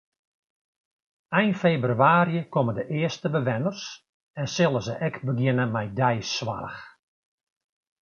Ein febrewaarje komme de earste bewenners en sille se ek begjinne mei deisoarch.